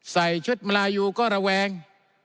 ใส่ชุดมลายูก็ระแวง